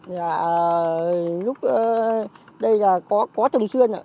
dạ lúc đây là có thường xuyên ạ